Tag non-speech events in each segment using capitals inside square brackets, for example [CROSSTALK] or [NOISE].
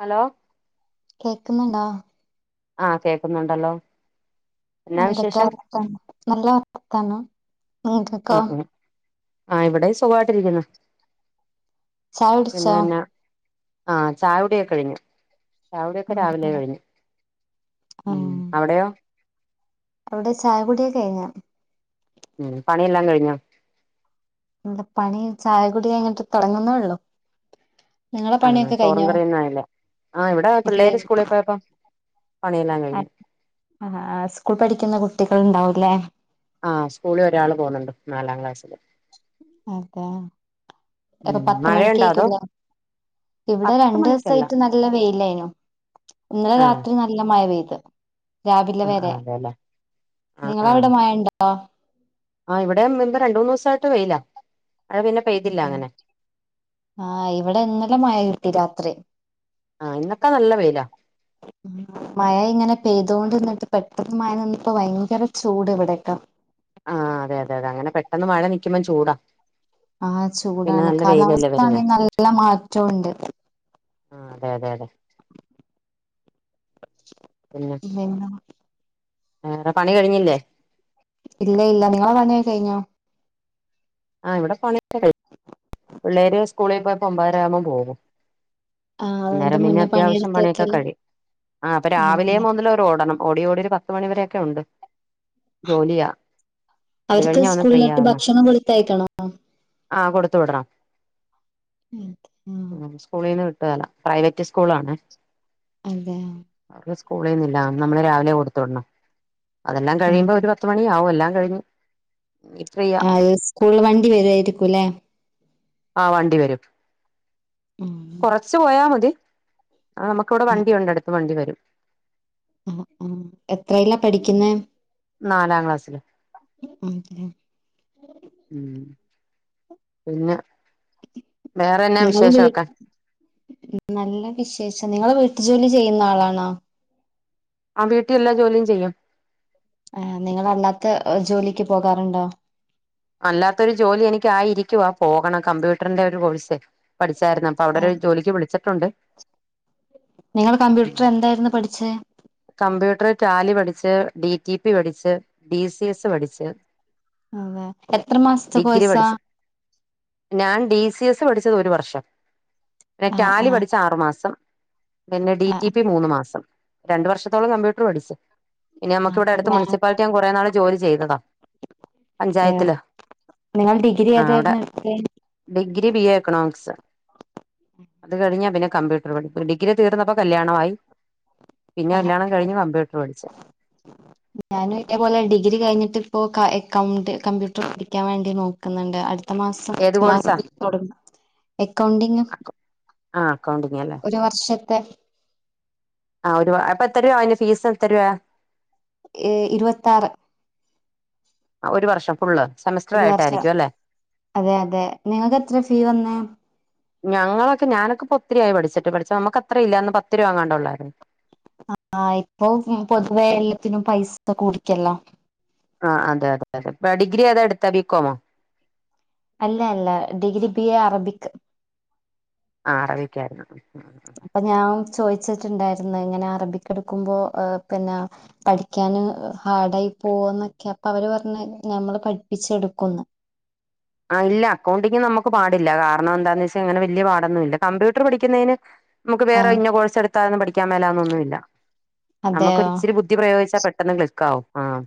Hello കേക്കുന്നുണ്ടോ? ആഹ് കേക്കന്നുണ്ടല്ലോ. ആ എന്തക്കെയാ വർത്താനം നല്ല വർത്താന ആഹ് ആഹ് ആ ഇവിടേം സുഖായിട്ടിരിക്കുന്ന്. ചായ കുടിച്ചോ പിന്നെന്നാ ആഹ് ചായകുടിക്കഴിഞ്ഞു. ചായകുടിക്കെ രാവിലെ കഴിഞ്ഞു ഉം അവിടെയോ? അവിടെ ചായ കുടിക്കെഴിഞ്ഞോ ഉം പണിയെല്ലാം കഴിഞ്ഞോ? എന്ത പണി ചായകുടി കഴിഞ്ഞിട്ട് തൊടങ്ങുന്നോള്ളൂ. ആണോ ചോറും കറിയൊന്നും ആയില്ലേ ആഹ് ഇവിടെ ഇല്ലേ പിള്ളേര് സ്കൂളിൽ പോയപ്പോ പണിയെല്ലാം കഴിഞ്ഞു. ആഹ് ആഹ് സ്കൂൾ പഠിക്കുന്ന കുട്ടികൾണ്ടാവൂലേ? ആഹ് സ്കൂളി ഒരാള് പോന്നുണ്ട് നാലാം ക്ലാസ്സില്. അതെ ഉം [UNINTELLIGIBLE] പത്ത് മഴയുണ്ടോ അതോ മണിക്കായിക്കൂലേ? ഇവിടെ പത്ത് മണിക്കല്ല രണ്ടുസായിട്ട് നല്ല വെയിലായിനു ഇന്നലെ ആഹ് രാത്രി നൽ ല്ല മയ പെയ്ത് രാവിലെ ആഹ് ആഹ് വെരെ അതെല്ലേ ആഹ് നിങ്ങളവിടെ ആഹ് മയണ്ടോ? ആഹ് ഇവിടേം പ്പ രണ്ടൂന്നുസായിട്ട് വെയിലാ. മഴ പിന്നെ പെയ്തില്ല അതെ അങ്ങനെ ആഹ് ഇവിടെ ഇന്നലെ മയ കിട്ടി രാത്രി. ആഹ് ഇന്നക്കെ നല്ല വെയിലാ. മയ ഇങ്ങനെ പെയ്തോണ്ട് നിന്നിട്ട് പെട്ടെന്ന് മയ നിന്നപ്പോ ഭയങ്കര ചൂട് ഇവിടക്കെ. ആഹ് അതെ അതെ അതെ അങ്ങനെ പെട്ടെന്ന് മഴ നിക്കുമ്പം ചൂടാ. ആഹ് പിന്നെ ചൂടാണ് നല്ല വെയിലല്ലേ കാലാവസ്ഥ ആണെ നല്ല മാറ്റൊണ്ട്. ആഹ് അതെ അതെ അതെ. പിന്നെ പിന്ന? വേറെ പണി കഴിഞ്ഞില്ലേ? ഇല്ല ഇല്ല നിങ്ങളെ പണിക്കെഴിഞ്ഞോ? ആഹ് ഇവടെ പണിക്കെ കഴിഞ്ഞ് പിള്ളേര് സ്കൂളി പോയപ്പോ ഒമ്പതരാവുമ്പോ പോകും. ആഹ് അതിന്റെ അന്നേരം പിന്നെ മുന്നേ അത്യാവിശ്യം പണിയെടുത്ത് പണിക്കെ വെക്കല് കഴിം ആഹ് അപ്പ രാവിലെ അതെ മുതലൊ ട്ടോടണം ഓടി ഓടിയൊരു പത്ത് മണിവരക്കെണ്ട് ജോലിയാ. അത് അവർക്ക് കഴിഞ്ഞാ സ്കൂളിലോട്ട് ഭക്ഷണം കൊളിത്തയക്കണോ ആഹ് കൊടുത്തു വിടണം സ്കൂളിന്ന് കിട്ടേല പ്രൈവറ്റ് സ്കൂളാണ് അയ്തെ അവടെ സ്കൂളിന്നില്ല നമ്മള് രാവിലെ കൊടുത്തുടണം അതെല്ലാം കഴിയുമ്പോരു ത്ത് മണിയാവും എല്ലാം കഴിഞ് ഇത്ര അയെ സ്കൂൾ വണ്ടി വരായിരിക്കുലേ ആ വണ്ടി വരും ആഹ് കൊറച്ച് പോയാ മതി ആഹ് നമുക്കിവിടെ വണ്ടിയുണ്ട് അടുത് വണ്ടി വരും അഹ് അഹ് എത്രല പഠിക്കുന്നെ നാലാം ക്ലാസ്സില് ഉം ഉം ഉം പിന്നെ വേറെന്നാ ങ്ങള് വീ വിശേഷമൊക്കെ നല്ല വിശേഷം ങ്ങള് വീട്ടു ജോലി ചെയ്യുന്ന ആളാണോ ആഹ് വീട്ടിൽ എല്ലാ ജോലിയും ചെയ്യും ഏഹ് നിങ്ങളല്ലാത്ത ജോലിക്ക് പോകാറുണ്ടോ അല്ലാത്തൊരു ജോലി എനിക്ക് ആയിരിക്കുവാ പോകണം കമ്പ്യൂട്ടറിന്റെ ഒരു കോഴ്സ് പഠിച്ചായിരുന്ന പ്പ അവിടെരു ജോലിക്ക് വിളിച്ചിട്ടുണ്ട് നിങ്ങള് കമ്പ്യൂട്ടർ എന്തായിരുന്നു പഠിച്ചേ? കമ്പ്യൂട്ടർ ടാലി പഠിച്ച് ഡി റ്റി പി പഠിച്ച് ഡി സി എസ് പഠിച്ച് അതെ എത്ര മാസത്തെ ഡിഗ്രി കോയ്സാ പഠിച്ച് ഞാൻ ഡി സി എസ് പഠിച്ചത് ഒരു വർഷം എഹ് റ്റാ ആഹ് ലി ആഹ് പഠിച്ച ആറു മാസം പിന്നെ ഡി റ്റി ആഹ് പി മൂന്ന് മാസം രണ്ടു വർഷത്തോളം കമ്പ്യൂട്ടർ പഠിച്ചു പിന്നെ നമ്മുക്ക് ആഹ് ഇവിടെ അടുത്ത് അതെയോ മുനിസിപ്പാലിറ്റി ഞൻ കുറെ നാൾ ജോലി ചെയ്തതാ അതെയ പഞ്ചായത്തില് നിങ്ങൾ ഡിഗ്രി ആ അവിടെ ഏതായിരുന്നു എട്തെ ഡിഗ്രി ബി എ എക്കണോമിക്സ് അത് കഴിഞ്ഞാ പിന്നെ കമ്പ്യൂട്ടർ പി ഡിഗി തീർന്നപ്പോ കല്യാണമായി ആഹ് പിന്നെല്യാണം ആഹ് കഴഞ് കമ്പ്യൂർ പഠിച്ചഹ് ഞാനും ഇതേപോലെ ഡിഗ്രി കഴിഞ്ഞിട്ടിപ്പോ ക എക്കൗണ്ട് കമ്പ്യൂട്ടർ പഠിക്കാൻ വേണ്ടി നോക്കുന്നുണ്ട് അ ടുത്ത മാസം ഏത് ക്ലാസ് കോഴ്സാ തുടങ്ങും എക്കൗണ്ടിംങ് ആഹ് അക്കൗണ്ടിങ് അല്ലേ ഒരു വർഷത്തെ ആഹ് ഒരു അപ്പ എത്തരുയാ അതിന്റെ ഫീസെത്തരുവാ ഏഹ് ഇരുവത്താറ് ഒരു വർഷം ഫുള്ള് ഒരു വർഷം സെമസ്റ്ററായിട്ടാരിക്കും അല്ലെ അതെ അതെ നിങ്ങക്കെത്ര ഫീ വന്നേ ഞങ്ങളൊക്കെ ഞാനൊ‌ക്കിപ്പൊ ഒത്തിരിയായി പഠിച്ചിട്ട് പഠിച്ച നമ്മുക്കത്ര ഇല്ല അന്ന് പത്ത് രൂപ എങ്ങാണ്ടൊള്ളായിരുന്ന് ആഹ് ഇപ്പൊ പൊതുവെ എല്ലത്തിനും പൈസ കൂടിക്കല്ലാ ആഹ് അത അതെ അതെ ഇപ്പ ഡിഗ്രി ഏതാ എടുത്തെ ബീക്കോമോ അല്ല അല്ല ഡിഗ്രി ബി എ അറബിക് ആഹ് അറബിക്കായിരുന്ന് അപ്പൊ ഞാൻ ചോയിച്ചിട്ടിണ്ടായിരുന്നു ഇങ്ങനെ അറബിക്കെടുക്കുമ്പോ അഹ് പിന്നാ പഠിക്കാന് ഹാർഡായി പോവോന്നൊക്കെ അപ്പൊ അവര് പറഞ്ഞ് ഞമ്മള് പഠിപ്പിച്ചെടുക്കൂന്ന് ആഹ് ഇല്ല അക്കൗണ്ടിംങ് നമുക്ക് പാടില്ല കാരണം എന്താന്ന് വെച്ചാ അങ്ങനെ വല്ല്യ പാടൊന്നും ഇല്ല കമ്പ്യൂട്ടറ് പഠിക്കുന്നതിന് നമുക്ക് വേറെ ആഹ് ഇന്ന കോഴ്സ് എടുത്താലൊന്നും പഠിക്കാൻ മേലാന്നൊന്നുവില്ല അതെയോ നമുക്കൊരിച്ചിരി ബു ദ്ധി പ്രയോഗിച്ചാ പെട്ടെന്ന് ക്ലിക്കാവും ആഹ്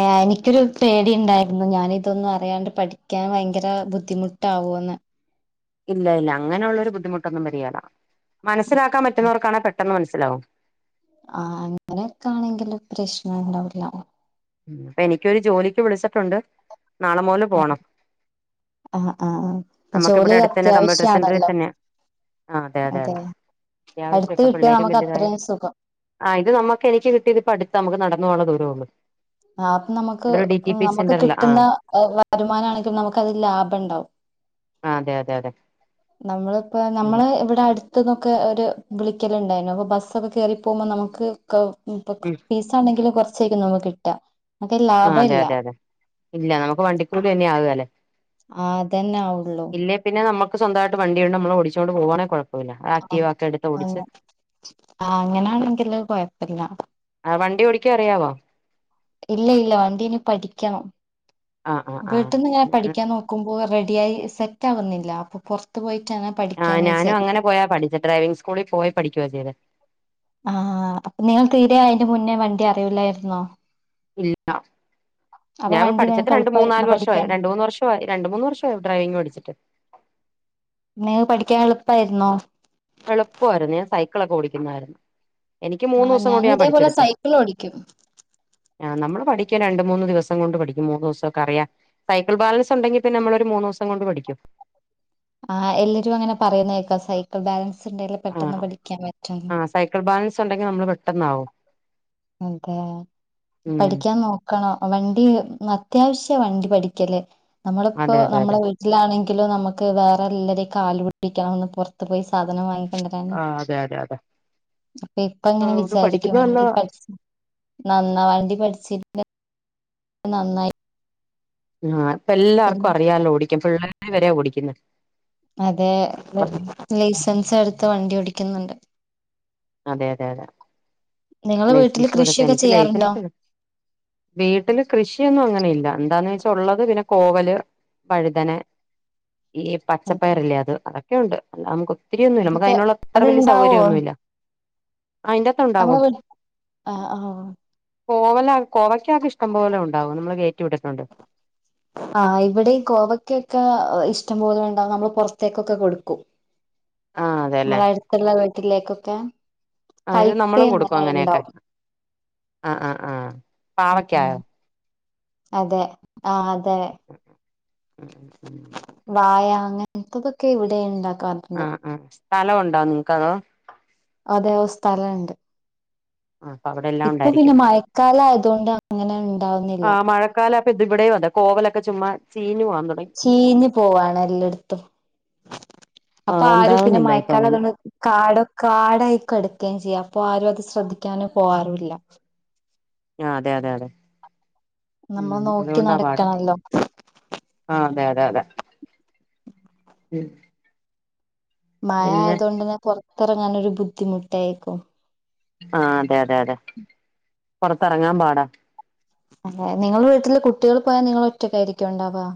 എഹ് എനിക്കൊരു പേടി ഇണ്ടായിരുന്നു ഞാനിതൊന്നും അറിയാണ്ട് പഠിക്കാൻ ഭയങ്കര ബുദ്ധിമുട്ടാവൂ എന്ന് ഇല്ല ഇല്ല അങ്ങനെയുള്ളൊരു ബുദ്ധിമുട്ടൊന്നും വരിയേല മനസ്സിലാക്കാൻ പറ്റുന്നവർക്കാണെ പെട്ടെന്ന് മനസ്സിലാവും ആഹ് അങ്ങനെക്കെ ആണെങ്കില് പ്രശ്നം എണ്ടാവൂല്ല ഉം അപ്പൊ എനിക്കൊരു ജോലിക്ക് വിളിച്ചിട്ടുണ്ട് നാളെ മുതല് ആഹ് പോണം ആഹ് ആഹ് നമുക്കിവിടെ ജോലി അടുത്തന്നെ കമ്പ്യൂട്ടർ സെന്ററീ അത്യാവശ്യാണല്ലോ തന്നെയാ ആഹ് അതെ അതെ അതെ അടുത്ത് അത്യാവശ്യിപ്പ കിട്ടിയാ പിള്ളേരും നമുക്ക് വലുതായി അത്രയും സുഖം ആഹ് ഇത് നമുക്ക് എനിക്ക് കിട്ടിയ ഇതിപ്പ അട്ത്താ നമുക്ക് നടന്ന് പോവാള്ള ദൂരൊള്ളു ആഹ് അപ്പം നമുക്ക് നമുക്ക് സെന്ററില ആ കിട്ടുന്ന വരുമാനാണെങ്കി നമുക്ക് അതിൽ ലാഭെണ്ടാവും ആഹ് അതെ അതെ അതെ നമ്മളിപ്പ നമ്മള് ഇവിട അടു ത്തുന്നൊക്കെ ഒര് വിളിക്കലിണ്ടായിരുന്ന് അപ്പൊ ബസ്സൊക്കെ കേറി പോവുമ്പോ നമുക്ക് കൗ [UNINTELLIGIBLE] ഉം ഫീ ച്ചാണെങ്കിലും കുറച്ചേയ്ക്കും നമ്മ‌ക്കിട്ടാ ആഹ് അതെ അതെ അതെ ഇല്ല നമുക്ക് വണ്ടിക്കൂലി തന്നെ ആകേല്ലേ ആഹ് അതന്നെ ആവുള്ളു പിന്നെ നമ്മക്ക് സ്വന്തായിട്ട് വണ്ടി ഇണ്ടേ നമ്മളോടിച്ചോണ്ട് പോവാണേ കൊഴ ആഹ് [UNINTELLIGIBLE] ആഹ് അങ്ങനാണെങ്കില് കൊഴപ്പില്ല ആഹ് വണ്ടി ഓടിക്കാ അറിയാവോ ഇല്ല ഇല്ല വണ്ടി ഇനി പഠിക്കണം ആ ആ ആ വീട്ടിന്ന് ഇങ്ങനെ പഠിക്കാൻ നോ ക്കുമ്പോ റെഡിയായി സെറ്റാവുന്നില്ല അപ്പൊ പൊറത്ത് പോയിട്ടാണ് ആഹ് പഠിക്കാന്ന് ഞാനും അങ്ങനെ വിചാരിക്കും പോയാ പഠിച്ചെ ഡ്രൈവിംങ് സ്കൂളി പോയി പഠിക്കുവാ ചെയ്തെ ആഹ് അപ്പൊ നിങ്ങള് തീരെ അയിന്റെ മുന്നേ വണ്ടി അറിയൂല്ലായിരുന്നോ ഇല്ല അപ്പൊ ഞാനിപ്പൊ വണ്ടി പഠിച്ചിട്ട് നിനക്ക് രണ്ട് എളുപ്പായിരുന്നോ മൂന്നാല് വർഷായി പഠിക്കാന്? രണ്ട്മൂന്ന് വർഷം രണ്ട് മൂന്ന് വർഷായി ഡ്രൈവിംങ് പഠിച്ചിട്ട് ന്നേ പഠിക്കാൻ എളുപ്പായിരുന്നോ എളുപ്പായിരുന്നു ഞാൻ സൈക്കിളക്ക ഓടിക്കുന്നതായിരുന്ന് എനിക്ക് ആഹ് മൂന്നൂസം കൊണ്ട് ഞാനും ഞാൻ ഇതേപോലെ പഠിച്ചെടുത്ത് സൈക്കിൾ ഓടിക്കും. ആഹ് നമ്മള് പഠിക്കാ രണ്ട് മൂന്ന് ദിവസം കൊണ്ട് പഠിക്കും മൂന്ന് ദിവസോക്കെ അറിയാൻ സൈക്കിൾ ബാലൻസ് ഉണ്ടെങ്കിപിന്നമ്മളൊരു മൂന്നൂസം കൊണ്ട് പഠിക്കും ആഹ് എല്ലരും അങ്ങനെ പറയുന്ന കേക്കാ, സൈക്കിൾ ബാലൻസ്ണ്ടെങ്കില് ആ പെട്ടെന്ന് പഠിക്കാൻ പറ്റുന്ന് ആ സൈക്കിൾ ബാലൻസുണ്ടെങ്കിൽ നമ്മൾ പെട്ടെന്നാവും ഉം ഉം പഠിക്കാൻ നോക് ക്കണോ, വണ്ടി അത്യാവശ്യ വണ്ടി പടിക്കല്, നമ്മളിപ്പോ അതെ അതെ അതെ നമ്മളവീ ട്ടിലാണെങ്കിലും നമുക്ക് വേറെ എല്ലാരേം കാല്പിടിക്കണംഒന്ന് പൊർത് ത് പോയി സാധനം വാങ്ങിക്കൊണ്ടരാന് ആ അതെ അതെ അതെ അപ്പൊ ആ ഇപ്പങ്ങനെ ഒന്ന് പഠിക്കുന്നത് വിചാരിക്കുംവണ്ടി നല്ലതാ നന്നാ വണ്ടി പഠിച്ചിരിക്ക നന്നായി ആഹ് പിന്നെ ഇപ്പെല്ലാർക്കും അറിയാലോ ഓടിക്കാൻ. പിള്ളേര് വരെ ഓടിക്കുന്ന് അതെ ലൈസൻസ് എടുത്ത് വണ്ടി ഓടിക്കുന്നുണ്ട് അതെ അതെ അതെ നിങ്ങള് വീട്ടില് ലൈസൻസു എടുത് കൃഷിയൊക്കെ എനിക്ക് ചെയ്യാറുണ്ടോ ലൈസൻസ് വീട്ടില് കൃഷിയൊന്നും അങ്ങനെ ഇല്ല എന്താന്ന് വെച്ചാ ഉള്ളത് പിന്നെ കോവല് വഴുതന ഈ അതെ പച്ചപ്പയറില്ലേ അത് അതൊക്കെയുണ്ട് അല്ലാ നമുക്ക് ഒത്തിരിയൊന്നുല്ല നമക്ക് അതൊക്കെ അയ്നുള്ള അത്ര വലിയ അത്ണ്ടാവോ സൗകര്യൊന്നുമില്ല അയ്ന്റ നമുക്പിൻ ആ ആഹ് കോവല കോവയ്ക്കക്കെ ഇഷ്ടംപോലെ ഉണ്ടാവും നമ്മള് കേറ്റിവിട്ടിട്ടുണ്ട് ആ് ഇവിടെയു കോവയ്ക്കൊക്കെ ഇഷ്ടംപോലണ്ടാവും. നമ്മള് പൊറത്തേക്കൊക്കെ കൊടുക്കും ആ അതെല്ലേ മ്മള അടുത്തുള്ള വീട്ടിലേക്കൊക്കെ ആ ഇത് കയ്പ്പ നമ്മളും കൊടുക്കും അങ്ങനെയൊക്കെ അങ്ങനെണ്ടാവും ആ ആ ആഹ് പാവക്കായോ അതെ ആ അതെ ഉം ഉം ഉം. വായ അങ്ങനത്തതൊക്കെ ഇവിടെ ഇണ്ടാക്കാ ആഹ് ആഹ് സ്ഥലംഉണ്ടോ നിങ്ങക്കതോ അതേ സ്ഥലണ്ട് ആ അപ്പൊ അവിടെ എല്ലാം ഇപ്പൊ ഉണ്ടായിരിക്കും പിന്നെ മഴക്കാല ആയതൊണ്ട് അങ്ങനെണ്ടാവുന്നില്ല ക്കാലയപ്പോ ഇവിടെയും അതെ കോവലൊക്കെ ചുമ്മാ ചീനുപോന് ചീഞ്ഞു പോവാണ് എല്ലടത്തും ആ അപ്പാരും പിന്നെ ഉണ്ടാകുന്നില്ല ഇപ്പൊ അങ്ങനെ മഴക്കാലായതോണ്ട് കാടൊ കാടായി കെടക്കയും ചെയ്യാം അപ്പൊ ആരും അത് ശ്രദ്ധിക്കാനും പോവാറില്ല ആഹ് അതെ അതെ അതെ ഉം നമ്മൾ നോക്കി അതുകൊണ്ടാ പാട് നടക്കണല്ലോ ആഹ് അതെ അതെ അതെ ഉം മഴ പിന്നെ ആയതോണ്ടന്നെ പൊറത്തറങ്ങാൻ ഒരു ബുദ്ധിമുട്ടായിരിക്കും ആഹ് അതെ അതെ അതെ പൊറത്തെറങ്ങാൻ പാടാ അതേ നിങ്ങളെ വീട്ടില് കുട്ടികൾ പോയാ നിങ്ങളൊറ്റക്കായിരിക്കോണ്ടാവാ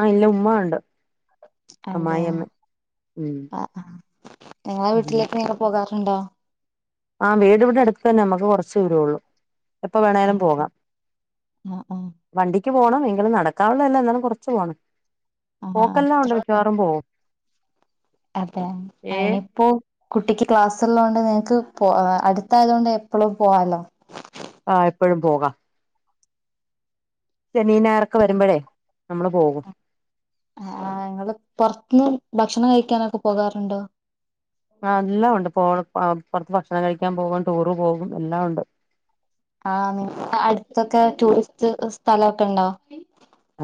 ആഹ് ഇല്ല ഉമ്മ ഉണ്ട് അതെ അമ്മായിഅമ്മ ഉം ആ ആ നിങ്ങളെ ഉം വീട്ടിലേക്ക് നിങ്ങള് പോകാറുണ്ടോ ആഹ് വീട് ഇവിടെ അടുത്ത് തന്നെ അമ്മക്ക് കൊറച്ച് ദൂരേള്ളൂ എപ്പൊ വേണേലും അതെ പോകാം ആ ആ വണ്ടിക്ക് പോണം എങ്കിലും നടക്കാവുള്ള അല്ല. എന്നാലും കുറച്ച് പോണം ആ പോക്കെല്ലാ അത്ര ഉണ്ട് മിക്കവാറും പോകും അതെ ഏ അയ്നിപ്പോ കുട്ടിക്ക് ക്ലാസ്ള്ളോണ്ട് നിങ്ക്ക് പോ അടുത്തായത് കൊണ്ട് എപ്പോളും പോവാലോ ആഹ് എപ്പഴും പോകാം സെമിനാർക്കെ വരുമ്പോഴേ നമ്മള് പോകും ആഹ് നിങ്ങള് പുറത്തന്ന് ഭക്ഷണം കഴിക്കാനൊക്കെ പോകാറുണ്ടോ ആഹ് എല്ലാം ഉണ്ട് പോ പുറത്ത് ഭക്ഷണം കഴിക്കാൻ പോകും ടൂറ് പോകും എല്ലാംണ്ട് ആഹ് നിങ്ങക്ക് അടുത്തൊക്കെ ടൂറിസ്റ്റ് സ്ഥലംക്കെണ്ടോ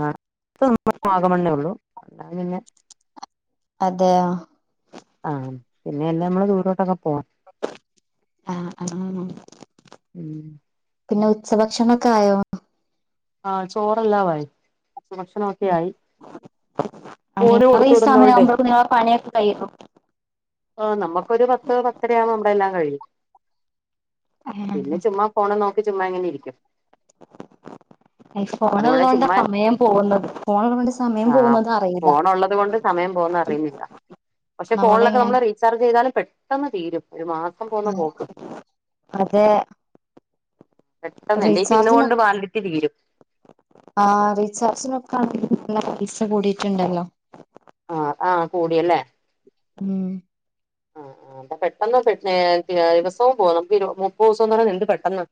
ആഹ് അടുത്ത് വാഗമണ്ണേ ഉള്ളൂ അല്ലാതെ പിന്നെ അതെയോ ആഹ് പിന്നെ എല്ലാം നമ്മള് ദൂരോട്ടൊക്കെ പോ ആഹ് ആഹ് ഉം പിന്നെ ഉച്ചഭക്ഷണംക്കെ ആയോ ആഹ് ചോറല്ലാ ആയി ഭക്ഷണൊക്കെ ആയി മോന് നിങ്ങള് കൊടുത്തു ഈ സമയം വിടുന്നോണ്ടേ ആവുമ്പോക്ക നിങ്ങളെ പണിയൊക്കെ കഴിയുവോ ആഹ് നമുക്കൊരു പത്ത് പത്തരയാമ്പോ നമ്മളെല്ലാം കഴിയും പിന്നെ ചുമ്മാ ഫോണ് നോക്കി ചുമ്മാ ഇങ്ങനെ ഇരിക്കും ഫോണള്ള അതുകൊണ്ട് കൊണ്ട് ചുമ്മാ സമയം പോന്നത് ഫോണ്ള്ളത് കൊണ്ട് സമയം പോകുന്നത് അറിയില്ല ഫോണ് ഉള്ളത് കൊണ്ട് സമയം പോന്നത് അറിയല്ല പക്ഷെ ഫോണിലൊക്കെ നമ്മളെങ്ങനെ നമ്മള് റീചാർജ് ചെയ്താലും പെട്ടെന്ന് തീരും ഒരു മാസം പോന്ന പോക്ക് അതെ പെട്ടെന്ന് എന്റെ റീചാർജിന് ഇന്നുകൊണ്ട് വാലിഡിറ്റി തീരും ആഹ് റീചാർജിനൊക്കെ ആണെങ്കിൽ നല്ല പൈസ കൂടിയിട്ടുണ്ടല്ലോ ആഹ് ആഹ് കൂടിയല്ലേ ഉം ആഹ് പെട്ടെന്ന് മേ ദിവസവും പോകും നമുക്ക് മുപ്പത് ദിവസംന്ന് എന്ത് പെട്ടെന്ന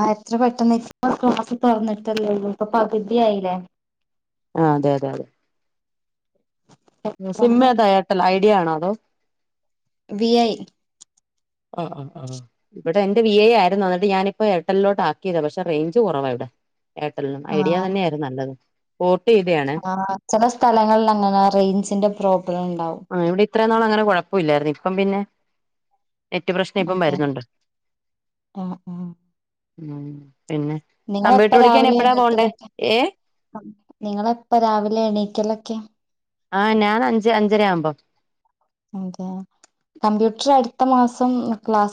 ആഹ് എത്ര പെട്ടെന്ന് ഇപ്പ ഈ മാസം തറന്നിട്ടല്ലേ ഉള്ളു പകുതി ആയില്ലേ ആഹ് അതെ അതെ അതെ സിമ്മ് ഏതാ എയർടെൽ ഐഡിയ ആണോ അതോ വി ഐ ആഹ് ആഹ് ഇവിടെ എന്റെ വി ഐ ആരുന്നുന്ന് എന്നിട്ട് ഞാനിപ്പോ എർടെലിലോട്ട് ആക്കിയതാ പക്ഷേ റേയ്ഞ്ച് കുറവ ഇവിടെ എയർടെലിനും ഐഡിയ ആഹ് തന്നെയായിരുന്നു നല്ലത് ഫോർട്ട് ചെയ്തയാണ് ആഹ് ചില സ്ഥലങ്ങളിൽ അങ്ങനെ റേഞ്ചിന്റെ പ്രോബ്ലംണ്ടാവും ആഹ് ഇവിടെ ഇത്രയും നാള് അങ്ങനെ കുഴപ്പല്ലായിരുന്നു ഇപ്പം പിന്നെ നെറ്റ് പ്രശ്നം ഇപ്പം അതെ വരുന്നുണ്ട് ആഹ് ആഹ് പിന്നെ. നിങ്ങളെപ്പ കമ്പ്യൂട്ടർ പടിക്കാൻ എപ്പഴാ പോകണ്ടേ ഏ. നിങ്ങളെപ്പള രാവിലെ എണീക്കലൊക്കെ. ആഹ് ഞാൻ അഞ്ച് അഞ്ചര ആവുമ്പോ. അതെ കമ്പ്യൂട്ടർ അടുത്ത മാസം ക്ലാസ്.